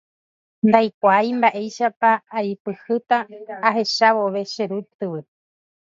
ndaikuaái mba'éichapa aipyhýta ahecha vove che ru tyvy